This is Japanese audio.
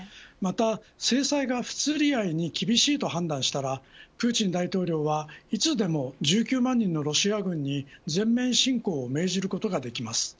また制裁が不釣り合いに厳しいと判断したらプーチン大統領はいつでも１９万人のロシア軍に全面侵攻を命じることができます。